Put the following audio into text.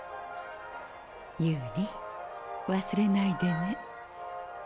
ユーリ忘れないでね。